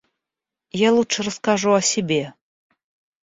Я лучше расскажу о себе.